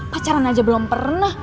pacaran aja belum pernah